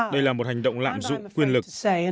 đây là một hành động lạm dụng quyền lực